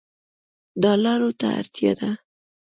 ډالرو ته اړتیا ده